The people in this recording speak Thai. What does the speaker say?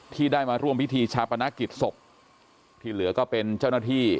ที่ได้มาร่วมพิธีชาปนกิจศพที่เหลือก็เป็นเจ้าหน้าที่